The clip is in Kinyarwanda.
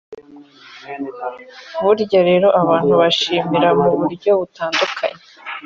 burya rero abantu bashimira mu buryo butandukanye